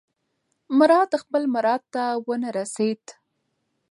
مراد خپل مراد ته ونه رسېد.